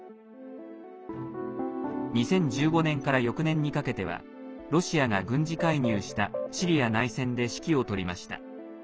２０１５年から翌年にかけてはロシアが軍事介入したシリア内戦で指揮を執りました。